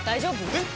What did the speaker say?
えっ⁉